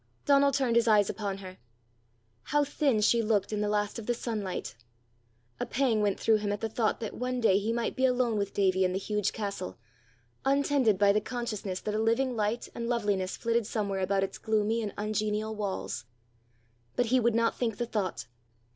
Donal turned his eyes upon her. How thin she looked in the last of the sunlight! A pang went through him at the thought that one day he might be alone with Davie in the huge castle, untended by the consciousness that a living light and loveliness flitted somewhere about its gloomy and ungenial walls. But he would not think the thought!